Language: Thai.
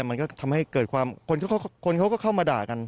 มันก็ทำให้เกิดความคนเขาก็เข้ามาด่ากัน